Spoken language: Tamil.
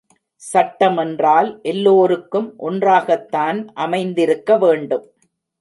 சட்டமென்றால் எல்லோருக்கும் ஒன்றாகத்தான் அமைந்திருக்க வேண்டும்.